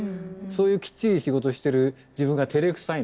そういうきっちり仕事してる自分がてれくさいんだよね。